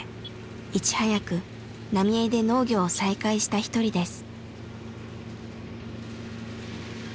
いち早く浪江で農業を再開した一人です。